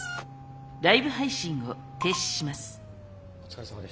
ライブ配信を停止します。